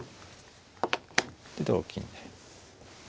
で同金で。